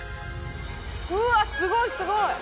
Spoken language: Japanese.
うわっすごいすごい！